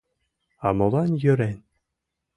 А молан йӧрен?